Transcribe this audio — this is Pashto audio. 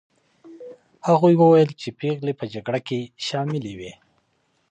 هغوی وویل چې پېغلې په جګړه کې شاملي وې.